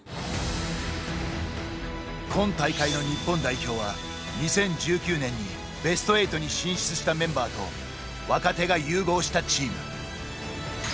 今大会の日本代表は２０１９年にベスト８に進出したメンバーと若手が融合したチーム。